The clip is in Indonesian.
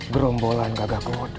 gerombolan gagak lodra